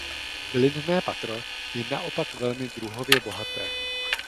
Bylinné patro je naopak velmi druhově bohaté.